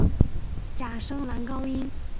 假声男高音。